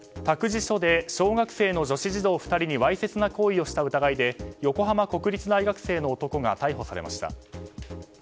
託児所で小学生の女子児童２人にわいせつな行為をした疑いで横浜国立大学生の男が逮捕されました。